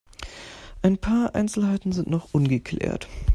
Ein paar Einzelheiten sind noch ungeklärt.